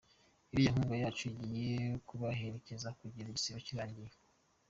Iriya nkunga yacu igiye kubaherekeza kugera igisibo kirangiye.